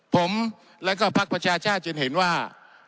ผมและก็พลักษณ์ประชาชน์จะเห็นว่า